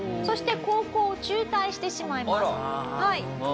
そして高校を中退してしまいます。